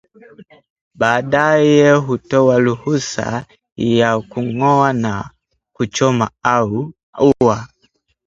Baadaye hutoa ruhusa ya kung’oa na kuchoma ua